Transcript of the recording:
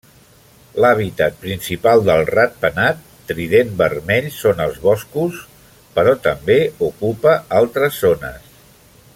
L'hàbitat principal del ratpenat trident vermell són els boscos, però també ocupa altres zones.